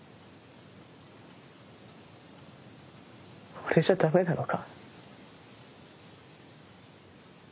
俺じゃダメなのか？